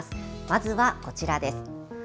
まずは、こちらです。